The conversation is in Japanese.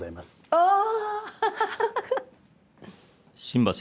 ああ。